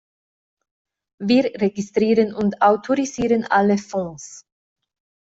Wir registrieren und autorisieren alle Fonds.